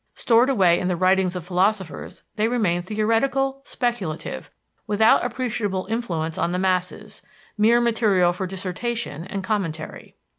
Stored away in the writings of philosophers, they remain theoretical, speculative, without appreciable influence on the masses, mere material for dissertation and commentary.